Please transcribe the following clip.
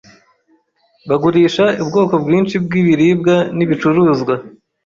Bagurisha ubwoko bwinshi bwibiribwa nibicuruzwa.